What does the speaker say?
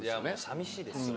寂しいですよ。